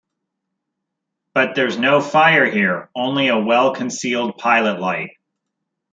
But there's no fire here, only a well-concealed pilot light.